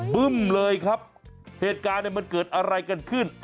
บึ้มเลยครับเหตุการณ์มันเกิดอะไรกันขึ้น